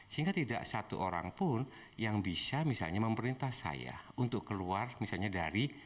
sehingga tidak satu orang pun yang bisa misalnya memerintah saya untuk keluar misalnya dari